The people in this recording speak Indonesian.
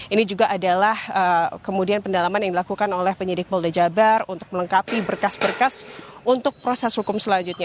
ini juga adalah kemudian pendalaman yang dilakukan oleh penyidik polda jabar untuk melengkapi berkas berkas untuk proses hukum selanjutnya